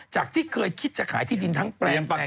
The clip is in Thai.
จากที่เคยคิดจะขายที่ดินทั้งแปลงแปลงนี้